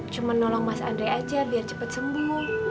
cuma nolong mas andre aja biar cepat sembuh